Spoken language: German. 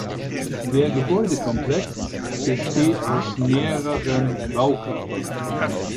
Der Gebäudekomplex besteht aus mehreren Baukörpern.